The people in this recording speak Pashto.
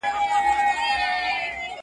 د زندانونو تعبیرونه له چا وپوښتمه،